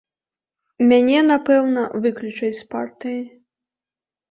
Мяне, напэўна, выключаць з партыі.